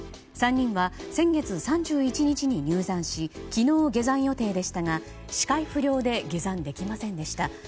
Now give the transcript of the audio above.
３人は、先月３１日に入山し昨日、下山予定したが視界不良で下山できませんでした。